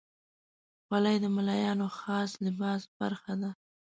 خولۍ د ملایانو خاص لباس برخه ده.